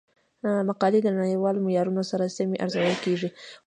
مقالې د نړیوالو معیارونو سره سمې ارزول کیږي.